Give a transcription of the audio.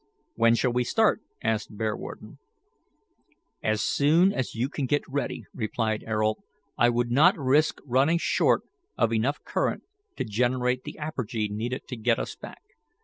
"When shall we start?" asked Bearwarden. "As soon as you can get ready," replied Ayrault. "I would not risk running short of enough current to generate the apergy needed to get us back.